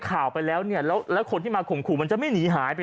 ข่าวไปแล้วเนี่ยแล้วแล้วคนที่มาข่มขู่มันจะไม่หนีหายไป